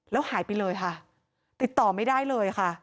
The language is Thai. แล้วหายไปเลยค่ะติดต่อไม่ได้เลยค่ะ